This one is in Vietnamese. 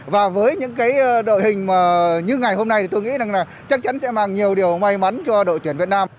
và với những đội hình như ngày hôm nay tôi nghĩ chắc chắn sẽ mang nhiều điều may mắn cho đội tuyển việt nam